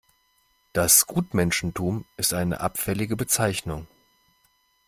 Das Gutmenschentum ist eine abfällige Bezeichnung.